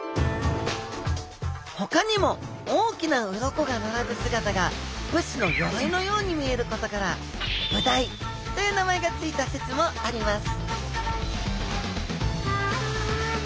ほかにも大きな鱗が並ぶ姿が武士のよろいのように見えることから武鯛という名前が付いた説もあります